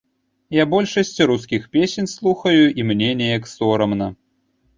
Я большасць рускіх песень слухаю, і мне неяк сорамна.